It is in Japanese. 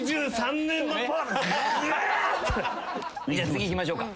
次いきましょうか。